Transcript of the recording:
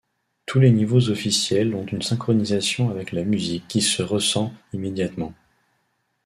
Tous les niveaux officiels ont une synchronisation avec la musique qui se ressent immédiatement.